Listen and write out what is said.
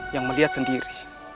yang melihat sendiri